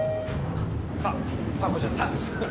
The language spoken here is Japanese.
さあさあこちらです。